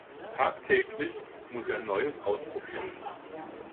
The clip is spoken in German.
Tagtäglich muss er Neues ausprobieren.